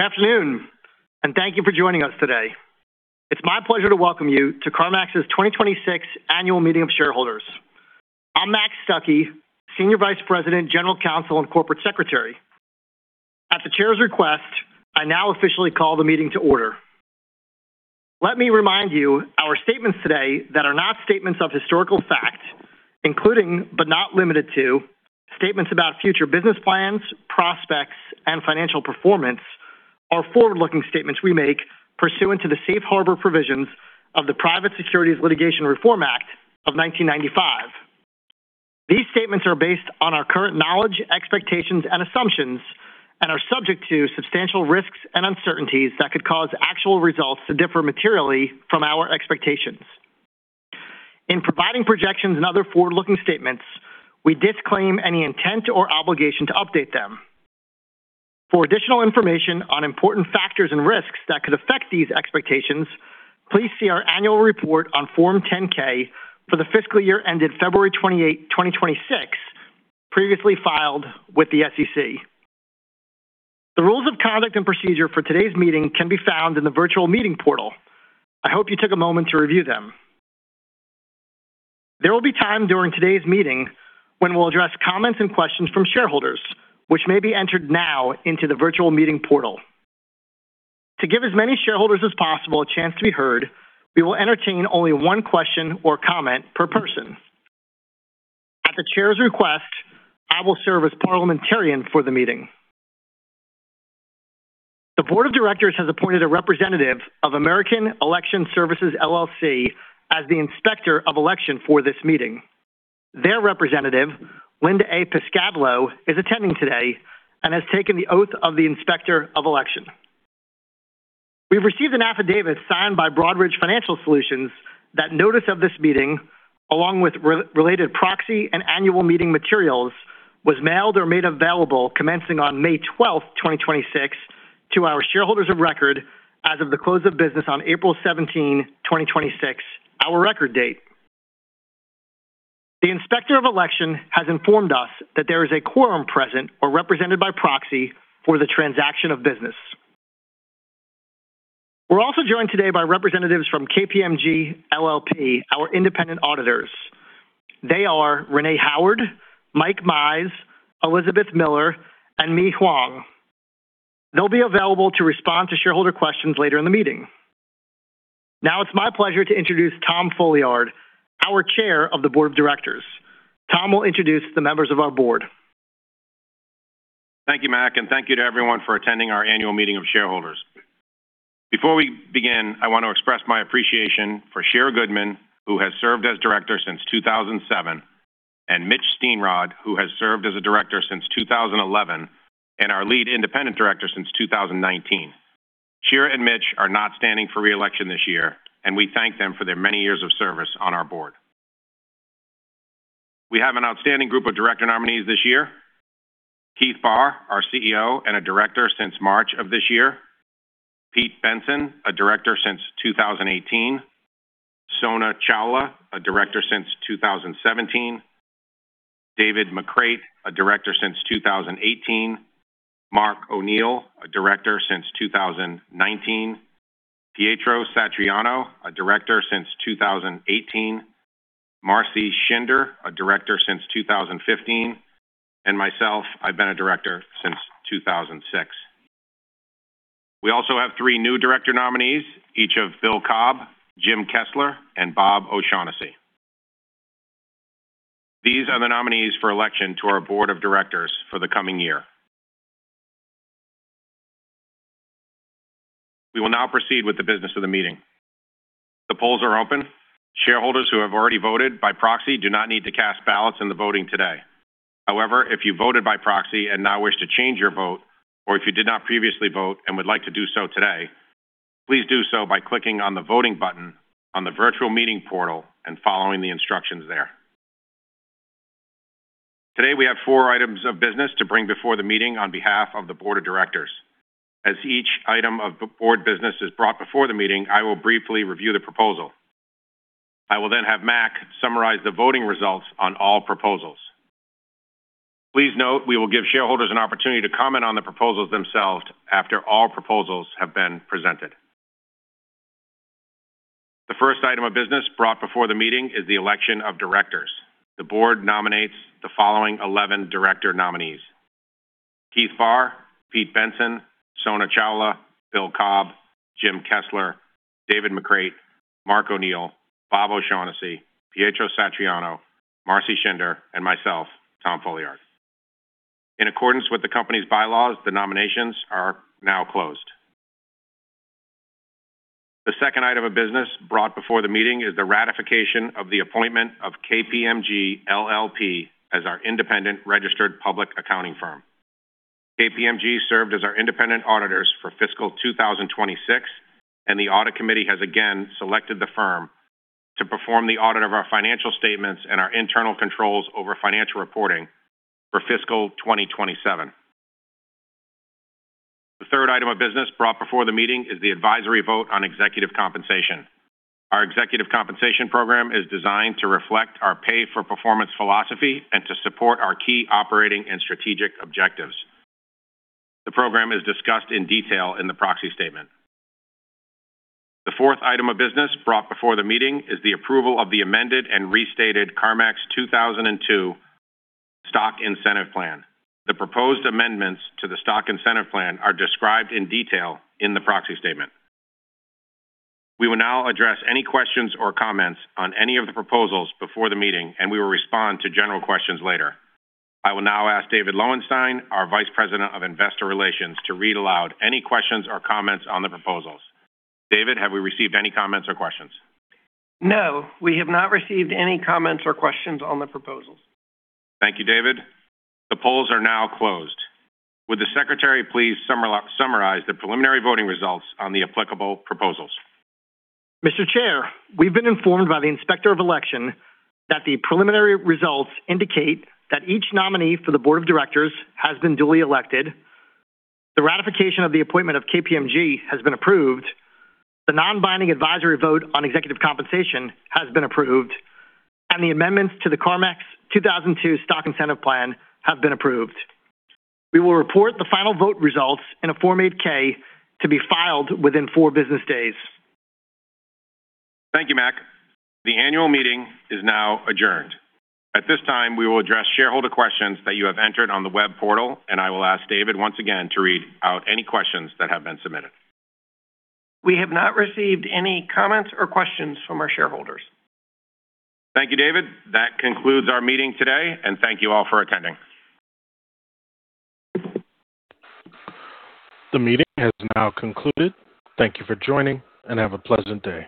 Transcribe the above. Good afternoon, and thank you for joining us today. It's my pleasure to welcome you to CarMax's 2026 Annual Meeting of Shareholders. I'm Mac Stuckey, Senior Vice President, General Counsel, and Corporate Secretary. At the chair's request, I now officially call the meeting to order. Let me remind you, our statements today that are not statements of historical fact, including but not limited to statements about future business plans, prospects, and financial performance, are forward-looking statements we make pursuant to the safe harbor provisions of the Private Securities Litigation Reform Act of 1995. These statements are based on our current knowledge, expectations, and assumptions and are subject to substantial risks and uncertainties that could cause actual results to differ materially from our expectations. In providing projections and other forward-looking statements, we disclaim any intent or obligation to update them. For additional information on important factors and risks that could affect these expectations, please see our annual report on Form 10-K for the fiscal year ended February 28, 2026, previously filed with the SEC. The rules of conduct and procedure for today's meeting can be found in the virtual meeting portal. I hope you took a moment to review them. There will be time during today's meeting when we'll address comments and questions from shareholders, which may be entered now into the virtual meeting portal. To give as many shareholders as possible a chance to be heard, we will entertain only one question or comment per person. At the chair's request, I will serve as parliamentarian for the meeting. The Board of Directors has appointed a representative of American Election Services, LLC as the Inspector of Election for this meeting. Their representative, Linda A. Pascavlo, is attending today and has taken the oath of the Inspector of Election. We've received an affidavit signed by Broadridge Financial Solutions that notice of this meeting, along with related proxy and annual meeting materials, was mailed or made available commencing on May 12th, 2026, to our shareholders of record as of the close of business on April 17, 2026, our record date. The Inspector of Election has informed us that there is a quorum present or represented by proxy for the transaction of business. We're also joined today by representatives from KPMG LLP, our independent auditors. They are Renee Howard, Mike Mize, Elizabeth Miller, and Mi Hoang. They'll be available to respond to shareholder questions later in the meeting. Now it's my pleasure to introduce Tom Folliard, our Chair of the Board of Directors. Tom will introduce the members of our board. Thank you, Mac, and thank you to everyone for attending our annual meeting of shareholders. Before we begin, I want to express my appreciation for Shira Goodman, who has served as director since 2007, and Mitch Steenrod, who has served as a director since 2011 and our Lead Independent Director since 2019. Shira and Mitch are not standing for re-election this year, and we thank them for their many years of service on our board. We have an outstanding group of director nominees this year. Keith Barr, our CEO and a director since March of this year, Pete Bensen, a director since 2018, Sona Chawla, a director since 2017, David McCreight, a director since 2018, Mark O'Neil, a director since 2019, Pietro Satriano, a director since 2018, Marcella Shinder, a director since 2015, and myself, I've been a director since 2006. We also have three new director nominees, each of Bill Cobb, Jim Kessler, and Bob O'Shaughnessy. These are the nominees for election to our board of directors for the coming year. We will now proceed with the business of the meeting. The polls are open. Shareholders who have already voted by proxy do not need to cast ballots in the voting today. However, if you voted by proxy and now wish to change your vote, or if you did not previously vote and would like to do so today, please do so by clicking on the voting button on the virtual meeting portal and following the instructions there. Today, we have four items of business to bring before the meeting on behalf of the board of directors. As each item of board business is brought before the meeting, I will briefly review the proposal. I will then have Mac summarize the voting results on all proposals. Please note we will give shareholders an opportunity to comment on the proposals themselves after all proposals have been presented. The first item of business brought before the meeting is the election of directors. The board nominates the following 11 director nominees: Keith Barr, Pete Bensen, Sona Chawla, Bill Cobb, Jim Kessler, David McCreight, Mark O'Neil, Bob O'Shaughnessy, Pietro Satriano, Marcella Shinder, and myself, Tom Folliard. In accordance with the company's bylaws, the nominations are now closed. The second item of business brought before the meeting is the ratification of the appointment of KPMG LLP as our independent registered public accounting firm. KPMG served as our independent auditors for fiscal 2026, and the audit committee has again selected the firm to perform the audit of our financial statements and our internal controls over financial reporting for fiscal 2027. The third item of business brought before the meeting is the advisory vote on executive compensation. Our executive compensation program is designed to reflect our pay-for-performance philosophy and to support our key operating and strategic objectives. The program is discussed in detail in the proxy statement. The fourth item of business brought before the meeting is the approval of the amended and restated CarMax 2002 Stock Incentive Plan. The proposed amendments to the stock incentive plan are described in detail in the proxy statement. We will now address any questions or comments on any of the proposals before the meeting, and we will respond to general questions later. I will now ask David Lowenstein, our vice president of investor relations, to read aloud any questions or comments on the proposals. David, have we received any comments or questions? No, we have not received any comments or questions on the proposals. Thank you, David. The polls are now closed. Would the secretary please summarize the preliminary voting results on the applicable proposals? Mr. Chair, we've been informed by the Inspector of Election that the preliminary results indicate that each nominee for the board of directors has been duly elected, the ratification of the appointment of KPMG has been approved, the non-binding advisory vote on executive compensation has been approved, and the amendments to the CarMax 2002 Stock Incentive Plan have been approved. We will report the final vote results in a Form 8-K to be filed within four business days. Thank you, Mac. The annual meeting is now adjourned. At this time, we will address shareholder questions that you have entered on the web portal, and I will ask David once again to read out any questions that have been submitted. We have not received any comments or questions from our shareholders. Thank you, David. That concludes our meeting today, and thank you all for attending. The meeting has now concluded. Thank you for joining, and have a pleasant day.